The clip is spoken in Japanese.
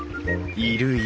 いるいる。